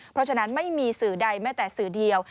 เพราะฉะนั้นไม่มีสื่อใดแม้แต่สื่อเดียว